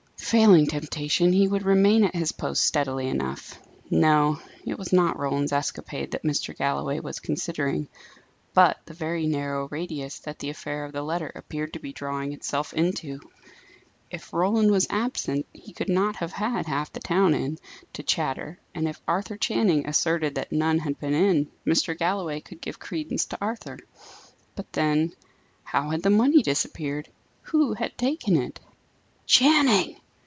Failing temptation, he would remain at his post steadily enough. No; it was not Roland's escapade that Mr. Galloway was considering; but the very narrow radius that the affair of the letter appeared to be drawing itself into. If Roland was absent, he could not have had half the town in, to chatter; and if Arthur Channing asserted that none had been in, Mr. Galloway could give credence to Arthur. But then how had the money disappeared? Who had taken it? "Channing!"